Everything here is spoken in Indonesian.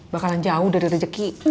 bakalan jauh dari rezeki